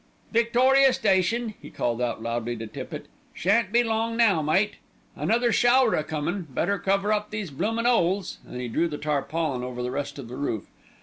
"Victoria Station," he called out loudly to Tippitt. "Shan't be long now, mate. Another shower a comin', better cover up these bloomin' 'oles," and he drew the tarpaulin over the rest of the roof.